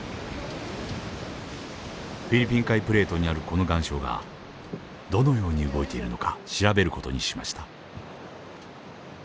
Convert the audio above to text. フィリピン海プレートにあるこの岩礁がどのように動いているのか調べる事にしました。